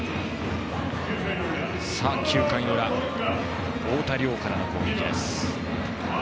９回裏、太田椋からの攻撃。